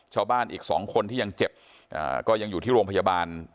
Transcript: ชาวบ้านอีก๒คนที่ยังเจ็บก็ยังอยู่ที่โรงพยาบาล